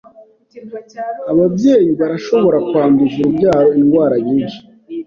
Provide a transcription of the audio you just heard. Ababyeyi barashobora kwanduza urubyaro indwara nyinshi.